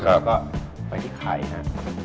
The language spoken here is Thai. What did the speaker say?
แล้วก็ไปที่ไข่ฮะ